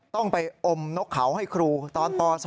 ต้องไปอมนกเขาให้ครูตอนป๒